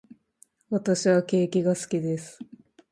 私はケーキが好きです。